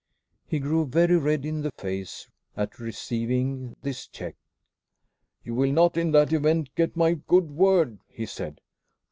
He grew very red in the face at receiving this check. "You will not in that event get my good word," he said.